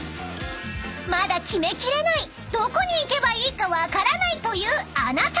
［まだ決め切れないどこに行けばいいか分からないというあなた］